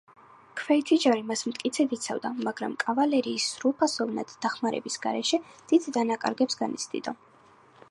ქვეითი ჯარი მას მტკიცედ იცავდა, მაგრამ კავალერიის სრულფასოვანი დახმარების გარეშე დიდ დანაკარგებს განიცდიდა.